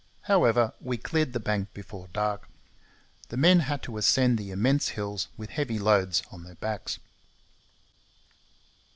However, we cleared the bank before dark. The men had to ascend the immense hills with heavy loads on their backs.